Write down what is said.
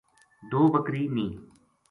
دو بکری نیہہ